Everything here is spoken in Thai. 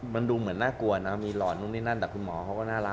มันดูเหมือนน่ากลัวนะมีหล่อนนู่นนี่นั่นแต่คุณหมอเขาก็น่ารัก